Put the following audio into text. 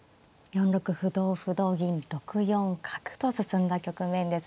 ４六歩同歩同銀６四角と進んだ局面です。